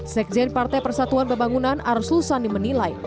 sekjen partai persatuan pembangunan arslusani menilai